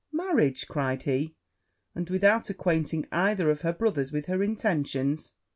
'Marriage!' cried he; 'and without acquainting either of her brothers with her intentions!